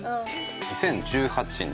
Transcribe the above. ２０１８年